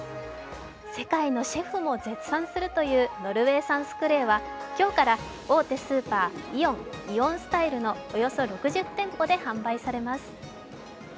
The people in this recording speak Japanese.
世界のシェフも絶賛するというノルウェー産スクレイは今日から大手スーパー、イオン、イオンスタイルのおよそ６０店舗で販売されます。